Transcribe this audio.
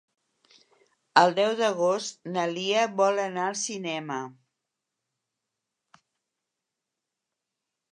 El deu d'agost na Lia vol anar al cinema.